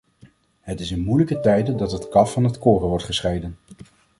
Het is in moeilijke tijden dat het kaf van het koren wordt gescheiden.